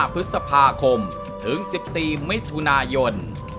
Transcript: พฤษภาคมถึง๑๔มิถุนายน